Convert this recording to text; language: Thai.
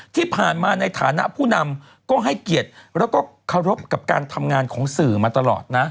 ที่ผ่านมาในฐานะผู้นำก็ให้เกียรติแล้วก็เคารพกับการทำงานของสื่อมาตลอดนะ